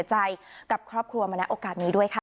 แม่แม่แม่แม่แม่